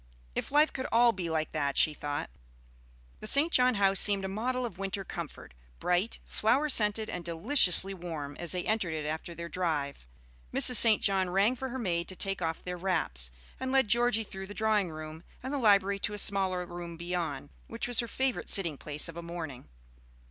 "If life could all be like that!" she thought. The St. John house seemed a model of winter comfort, bright, flower scented, and deliciously warm, as they entered it after their drive. Mrs. St. John rang for her maid to take off their wraps, and led Georgie through the drawing room and the library to a smaller room beyond, which was her favorite sitting place of a morning.